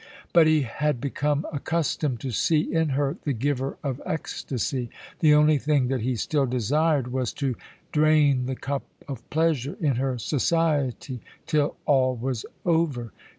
"But he had become accustomed to see in her the giver of ecstasy. The only thing that he still desired was to drain the cup of pleasure in her society till all was over.